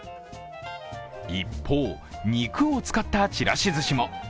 一方、肉を使ったちらし寿司も。